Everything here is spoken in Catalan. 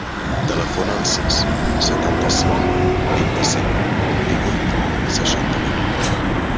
Telefona al sis, setanta-cinc, vint-i-cinc, divuit, seixanta-u.